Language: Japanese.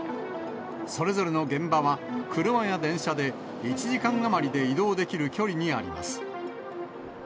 それぞれの現場は、車や電車で１時間余りで移動できる距離にあります。